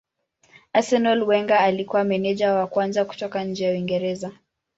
Arsenal Wenger alikuwa meneja wa kwanza kutoka nje ya Uingereza.